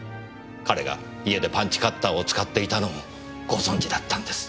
彼が家でパンチカッターを使っていたのをご存じだったんです。